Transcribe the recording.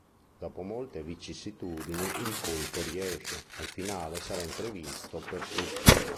Dopo molte vicissitudini il colpo riesce, ma il finale sarà imprevisto per tutti.